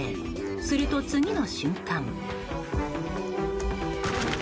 すると、次の瞬間。